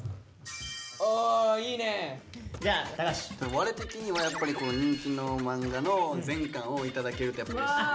ワレ的にはやっぱり人気のまんがの全巻を頂けるとやっぱうれしいよね。